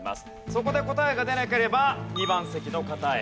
そこで答えが出なければ２番席の方へ。